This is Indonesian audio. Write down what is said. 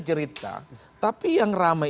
cerita tapi yang rame